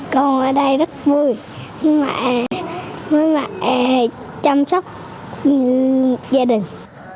con ở đây rất vui với mẹ chăm sóc gia đình